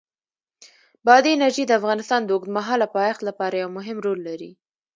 بادي انرژي د افغانستان د اوږدمهاله پایښت لپاره یو مهم رول لري.